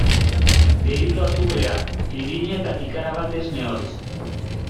Gehitu azukrea, irina eta kikara bat esne hotz.